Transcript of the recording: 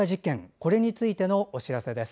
これについてのお知らせです。